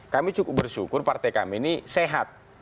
kami cukup bersyukur partai kami ini sehat